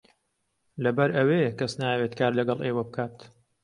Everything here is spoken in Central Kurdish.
لەبەر ئەوەیە کەس نایەوێت کار لەگەڵ ئێوە بکات.